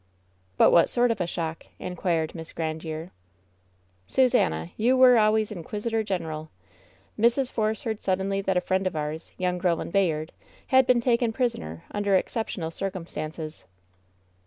"But what sort of a shock ?" inquired Miss Grandiere, "Susannah, you were always inquisitor general. Mrs. Force heard suddenly that a friend of ours, young Ro land Bayard, had been taken prisoner imder exceptional circumstances."